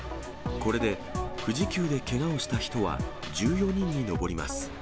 これで富士急でけがをした人は１４人に上ります。